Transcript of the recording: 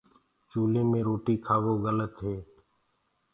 چوُلِي مي روٽي کآوو گَلت هي۔